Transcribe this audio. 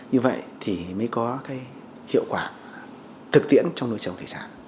như vậy thì mới có cái hiệu quả thực tiễn trong nuôi trồng thủy sản